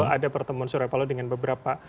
ada pertemuan surya paloh dengan beberapa